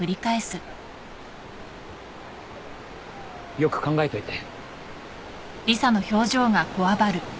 よく考えといて。